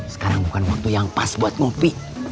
sekarang bukan waktu yang pas buat ngopi